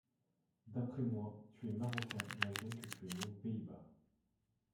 D'après moi, tu es Marocain malgré que tu es né aux Pays-Bas.